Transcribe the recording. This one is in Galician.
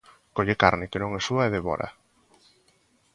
Colle carne que non é súa e devóraa.